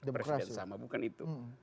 presiden sama bukan itu